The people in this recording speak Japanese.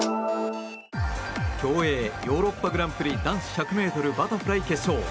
競泳ヨーロッパグランプリ男子１００ｍバタフライ決勝。